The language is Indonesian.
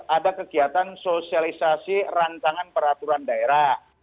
ada kegiatan sosialisasi rancangan peraturan daerah